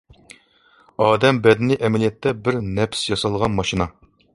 ئادەم بەدىنى ئەمەلىيەتتە بىر نەپىس ياسالغان ماشىنا.